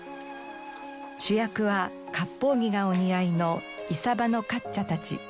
主役はかっぽう着がお似合いのイサバのカッチャたち。